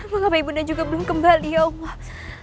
mengapa ibunda juga belum kembali ya allah